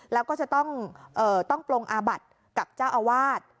แล้วก็จะต้องปลงอาบัติกับเจ้าอาวาส